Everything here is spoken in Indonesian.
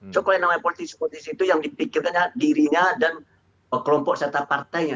jokowi yang namanya politisi politisi itu yang dipikirkannya dirinya dan kelompok serta partainya